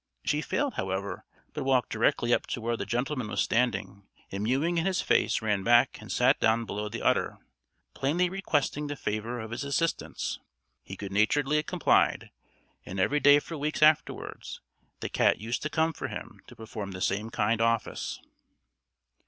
She failed, however; but walked directly up to where the gentleman was standing, and mewing in his face ran back and sat down below the udder, plainly requesting the favour of his assistance. He good naturedly complied, and every day for weeks afterwards, the cat used to come for him to perform the same kind office.